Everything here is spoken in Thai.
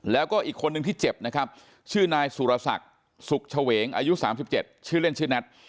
แล้วก็อีกคนนึงที่เจ็บนะครับชื่อนายสุรศักดิ์สุขเฉวงอายุ๓๗ชื่อเล่นชื่อนัท